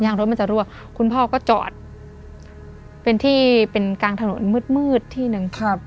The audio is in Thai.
รถมันจะรั่วคุณพ่อก็จอดเป็นที่เป็นกลางถนนมืดที่หนึ่งครับ